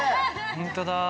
ホントだ。